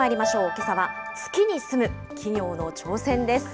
けさは、月に住む企業の挑戦です。